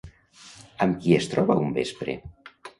Amb qui es troba un vespre?